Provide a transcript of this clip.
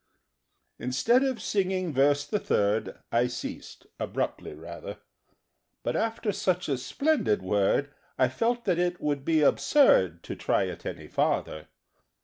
_' Instead of singing Verse the Third, I ceased abruptly, rather: But, after such a splendid word, I felt that it would be absurd To try it any farther.